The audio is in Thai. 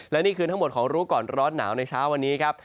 และนี่คือทั้งหมดของรู้ก่อนร้อนหนาวในเช้าวันนี้ครับ